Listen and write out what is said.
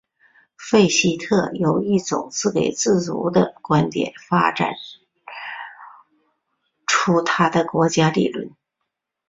费希特由一种自给自足的观点发展出他的国家理论。